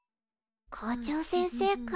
校長先生か。